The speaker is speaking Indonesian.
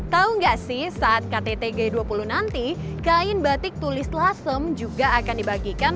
tau gak sih saat kttg dua puluh nanti kain batik tulis lasem juga akan dibagikan